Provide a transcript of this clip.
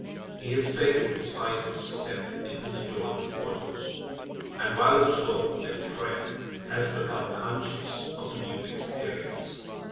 He had taken the decisive step into the Jordan waters. And while absorbed in prayer had become conscious of a new experience.